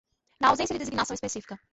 na ausência de designação específica.